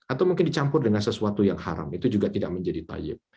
atau mungkin dicampur dengan sesuatu yang haram itu juga tidak menjadi tayyib